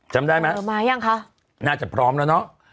จำได้ไหมฮะน่าจะพร้อมแล้วเนาะ